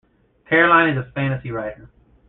Caroline is a fantasy writer.